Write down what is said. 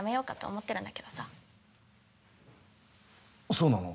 そうなの？